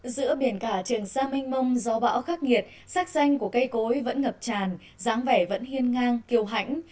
giữa biển cả trường sa minh mông gió bão khắc nghiệt sắc xanh của cây cối vẫn ngập tràn ráng vẻ vẫn hiên ngang kiều hãnh